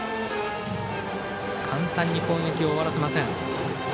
簡単に攻撃を終わらせません。